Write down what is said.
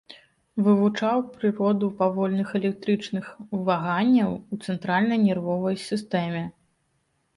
Вывучаў прыроду павольных электрычных ваганняў у цэнтральнай нервовай сістэме.